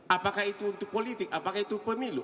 apakah itu untuk politik apakah itu pemilu